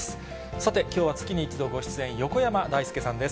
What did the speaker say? さて、きょうは月に１度ご出演、横山だいすけさんです。